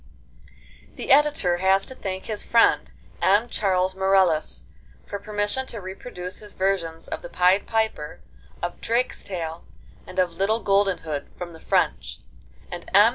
The Editor has to thank his friend, M. Charles Marelles, for permission to reproduce his versions of the 'Pied Piper,' of 'Drakestail,' and of 'Little Golden Hood' from the French, and M.